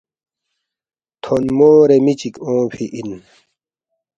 تھونمورے می چِک اونگمی اِن